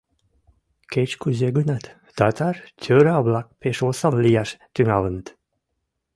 — Кеч-кузе гынат, татар тӧра-влак пеш осал лияш тӱҥалыныт.